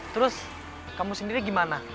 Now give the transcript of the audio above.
terus kamu sendiri gimana